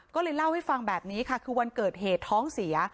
ก็เลยเล่าให้ฟังแบบนี้ค่ะคือวันเกิดเหตุท้องเสีย